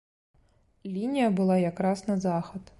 Лінія была якраз на захад.